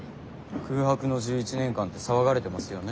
空白の１１年間って騒がれてますよね？